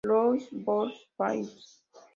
Louis World's Fair.